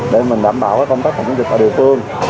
để mình đảm bảo công tác phòng chống dịch ở địa phương